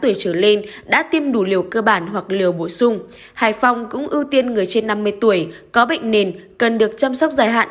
nếu mũi vaccine đã tiêm đủ liều cơ bản hoặc liều bổ sung hải phòng cũng ưu tiên người trên năm mươi tuổi có bệnh nên cần được chăm sóc dài hạn